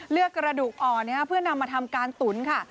กระดูกอ่อนเพื่อนำมาทำการตุ๋นค่ะ